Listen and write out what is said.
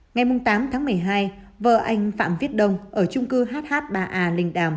ngày tám tháng một mươi hai vợ anh phạm viết đông ở trung cư hh ba a linh đàm